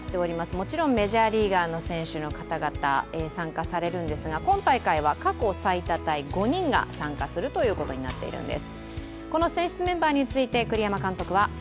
もちろんメジャーリーガーの選手の方々、参加されるんですが、今大会は過去最多タイ、５人が参加するということになっているんです。